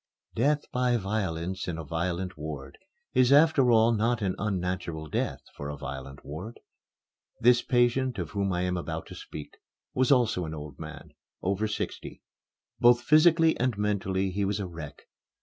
Death by violence in a violent ward is after all not an unnatural death for a violent ward. The patient of whom I am about to speak was also an old man over sixty. Both physically and mentally he was a wreck.